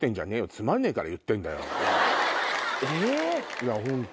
つまんねえから言ってんだよ！